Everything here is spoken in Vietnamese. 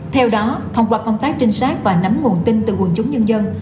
theo đó thông qua công tác trinh sát và nắm nguồn tin từ quận chúng dân dân